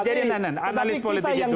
jadi nandan analis politik itu